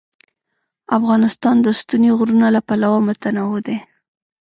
افغانستان د ستوني غرونه له پلوه متنوع دی.